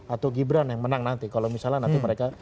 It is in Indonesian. atau gibran yang menang nanti kalau misalnya nanti mereka